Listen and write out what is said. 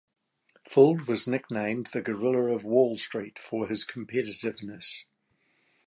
Fuld was nicknamed the "Gorilla" on Wall Street for his competitiveness.